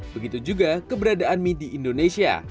begitu juga keberadaan mie di indonesia